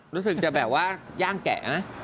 รู้สึกจะแบบว่าย่างแกะนะ